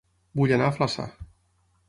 Vull anar a Flaçà